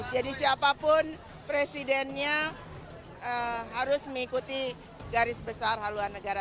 jadi siapapun presidennya harus mengikuti garis besar haluan negara